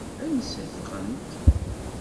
Ansa i ffɣent?